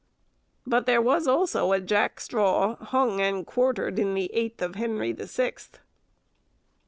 But there was also a Jack Straw hung and quartered in the eighth of Henry the Sixth.